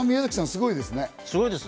すごいですね。